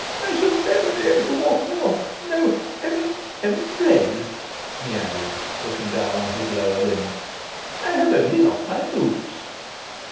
"I shall never be able to walk more. No, Heaven be praised!" he added, looking down on his lower limbs, "I have only lost my boots."